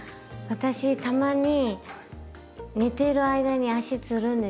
私たまに寝てる間に足つるんですよ。